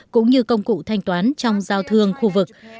cũng như công cụ thanh toán trong giao thương khu vực